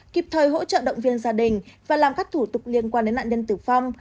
kịp thời hỗ trợ động viên gia đình và làm các thủ tục liên quan đến nạn nhân tử vong